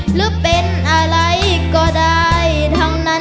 หรือเป็นอะไรก็ได้ทั้งนั้น